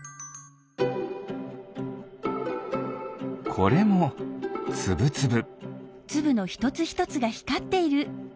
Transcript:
これもつぶつぶ。